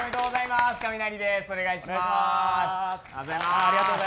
お願いします。